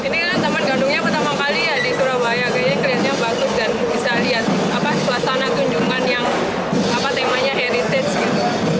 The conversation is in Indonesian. dan bisa lihat suasana tunjungan yang temanya heritage